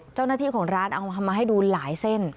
เจ้าของร้านเอามาให้ดูหลายเส้น